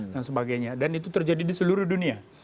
dan sebagainya dan itu terjadi di seluruh dunia